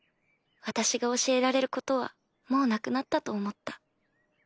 私が教えられることはもうなくなったと思った。